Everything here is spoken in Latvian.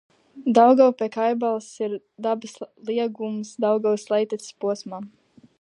Daugava pie Kaibalas ir dabas liegums Daugavas lejteces posmā.